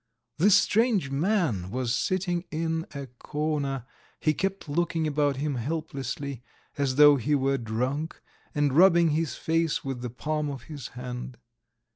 This strange man was sitting in a corner; he kept looking about him helplessly, as though he were drunk, and rubbing his face with the palm of his hand.